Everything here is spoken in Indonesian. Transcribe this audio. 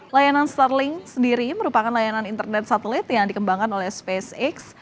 layanan starling sendiri merupakan layanan internet satelit yang dikembangkan oleh spacex